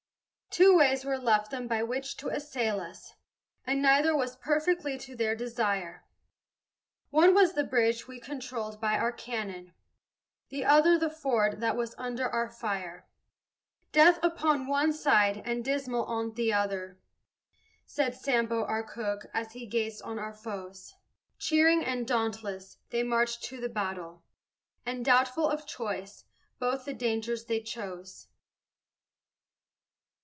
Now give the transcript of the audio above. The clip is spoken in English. Two ways were left them by which to assail us, And neither was perfectly to their desire One was the bridge we controlled by our cannon, The other the ford that was under our fire. "Death upon one side, and Dismal on t' other," Said Sambo, our cook, as he gazed on our foes: Cheering and dauntless they marched to the battle, And, doubtful of choice, both the dangers they chose.